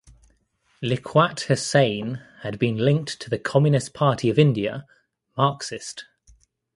Liaquat Husain had been linked to the Communist Party of India (Marxist).